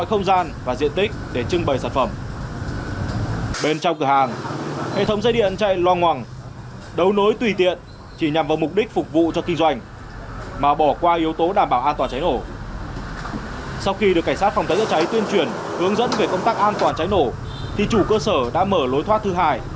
khi không thấy ra cháy tuyên truyền hướng dẫn về công tác an toàn cháy nổ thì chủ cơ sở đã mở lối thoát thứ hai